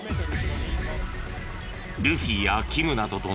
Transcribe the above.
ルフィやキムなどと名乗る